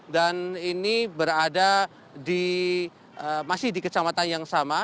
dan ini berada di masih di kecamatan yang sama